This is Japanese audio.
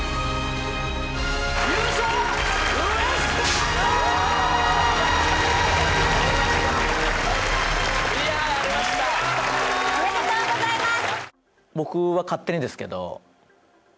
やりましたいややりました・おめでとうございます